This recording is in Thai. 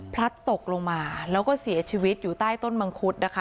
พลัดตกลงมาแล้วก็เสียชีวิตอยู่ใต้ต้นมังคุดนะคะ